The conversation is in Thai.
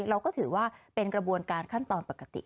เราก็ถือว่าเป็นกระบวนการขั้นตอนปกติ